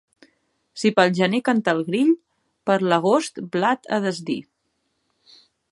Si pel gener canta el grill, per l'agost blat a desdir.